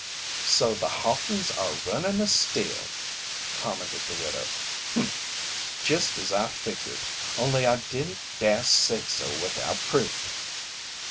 "So the Hawkins' are runnin' a still!" commented the widow. "Humph! Jest as I figured, only I didn't dast say so without proof."